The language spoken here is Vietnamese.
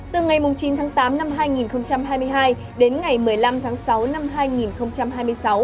từ ngày chín tháng tám năm hai nghìn hai mươi hai đến ngày một mươi năm tháng sáu năm hai nghìn hai mươi sáu